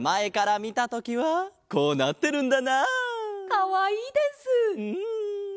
かわいいです！んん！